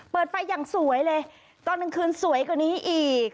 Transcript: เปิดไฟอย่างสวยเลยตอนกลางคืนสวยกว่านี้อีก